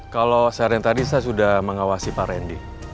kalau sehari tadi saya sudah mengawasi pak randy